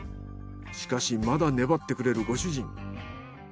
しかしまだねばってくれるご主人。